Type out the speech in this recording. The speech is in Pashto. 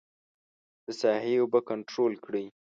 د ساحې اوبه کنترول کړي.